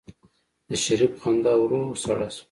د شريف خندا ورو سړه شوه.